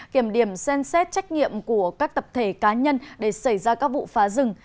kiểm điểm xem xét trách nhiệm của các tập thể cá nhân để xảy ra các vụ phá rừng